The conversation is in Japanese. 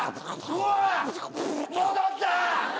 うわっ戻った！